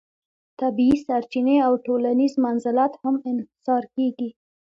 طبیعي سرچینې او ټولنیز منزلت هم انحصار کیږي.